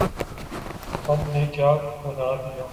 ہم نے کیا بنا دیا؟